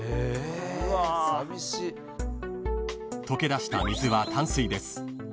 ［溶けだした水は淡水です］